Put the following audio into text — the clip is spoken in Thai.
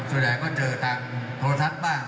ส่วนใหญ่ก็เจอทางโทรทัศน์บ้าง